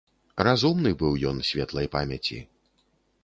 Разумны быў ён, светлай памяці.